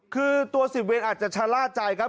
คือตัว๑๐เวรอาจจะชะล่าใจครับ